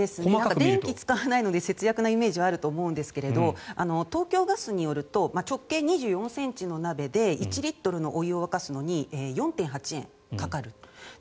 電気を使わないので節約のイメージはあると思うんですが東京ガスによると直径２４ｃｍの鍋で１リットルのお湯を沸かすのに４．８円かかる。